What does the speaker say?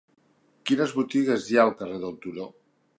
Quines botigues hi ha al carrer del Turó?